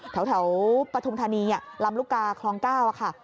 แถวปทุมธนีย์ลำลูกกาคลองเก้าค่ะ